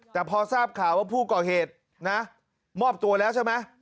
แต่พอทราบข่าวว่าผู้ก่อเหตุนะมอบตัวแล้วใช่ไหม